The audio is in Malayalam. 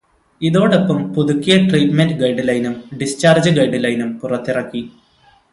ഇതോടൊപ്പം പുതുക്കിയ ട്രീറ്റ്മെന്റ് ഗൈഡ്ലൈനും, ഡിസ്ചാര്ജ് ഗൈഡ്ലൈനും പുറത്തിറക്കി.